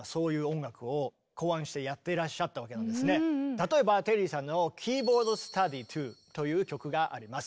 例えばテリーさんの「キーボード・スタディ２」という曲があります。